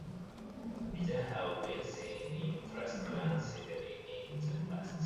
Reruns have been seen in first run syndication in the past.